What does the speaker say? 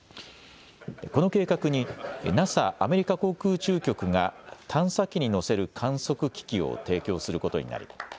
この計画にＮＡＳＡ・アメリカ航空宇宙局が探査機に載せる観測機器を提供することになり